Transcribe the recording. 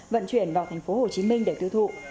vận chuyển vào tp hcm để tư thụ